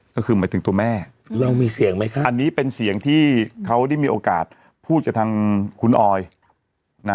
ก็คือหมายถึงตัวแม่อันนี้เป็นเสียงที่เขาได้มีโอกาสพูดจากทางคุณออยนะ